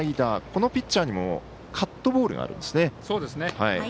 このピッチャーにもカットボールがあります。